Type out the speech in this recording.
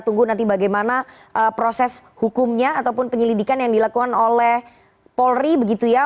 tunggu nanti bagaimana proses hukumnya ataupun penyelidikan yang dilakukan oleh polri begitu ya